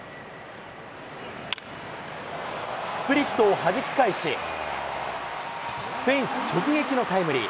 スプリットをはじき返し、フェンス直撃のタイムリー。